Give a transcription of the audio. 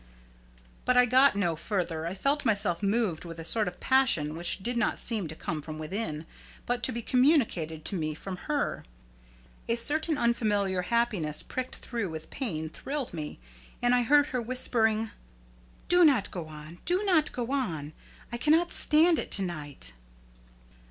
But I got no further. I felt myself moved with a sort of passion which did not seem to come from within, but to be communicated to me from her. A certain unfamiliar happiness pricked through with pain thrilled me, and I heard her whispering, "Do not go on, do not go on! I cannot stand it to night!"